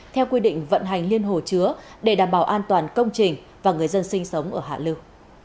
theo quy định vận hành liên hồ chứa để đảm bảo an toàn công trình và người dân sinh sống ở hạ lưu